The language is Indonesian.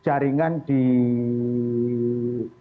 jaringan di jepang